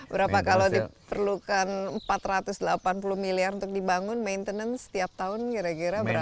berapa kalau diperlukan empat ratus delapan puluh miliar untuk dibangun maintenance setiap tahun kira kira berapa